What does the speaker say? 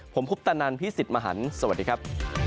ผมคุปตะนันพี่สิทธิ์มหันฯสวัสดีครับ